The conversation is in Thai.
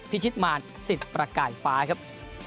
พิชิตมารสิทธิ์ประกายฟ้าครับ